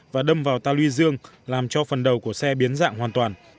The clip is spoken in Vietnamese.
và đâm vào ta luy dương làm cho phần đầu của xe biến dạng hoàn toàn